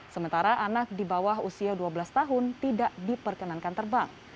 sementara anak di bawah usia dua belas tahun tidak diperkenankan terbang